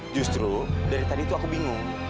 justru dari tadi itu aku bingung